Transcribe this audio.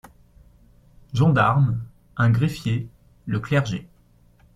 Gendarmes, un Greffier, le Clergé.